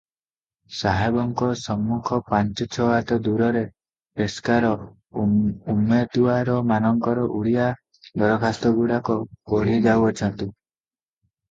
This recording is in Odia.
ସାହେବଙ୍କ ସମ୍ମୁଖ ପାଞ୍ଚ ଛ'ହାତ ଦୂରରେ ପେସ୍କାର ଉମେଦୁଆରମାନଙ୍କର ଓଡିଆ ଦରଖାସ୍ତ ଗୁଡ଼ାକ ପଢ଼ିଯାଉଅଛନ୍ତି ।